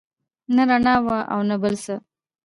نه رڼا وه او نه بل څه.